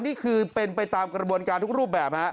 นี่คือเป็นไปตามกระบวนการทุกรูปแบบฮะ